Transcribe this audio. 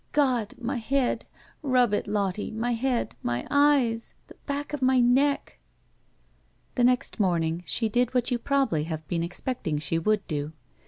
"God! My head! Rub it, Lottie! My head! My eyes ! The back of my neck !" The next morning she did what you probably have been expecting she would do.